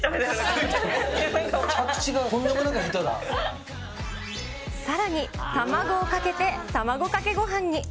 トークの着地がとんでもなくさらに、卵をかけて、卵かけごはんに。